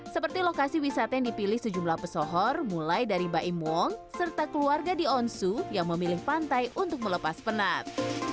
seperti lokasi wisata yang dipilih sejumlah pesohor mulai dari baim wong serta keluarga di onsu yang memilih pantai untuk melepas penat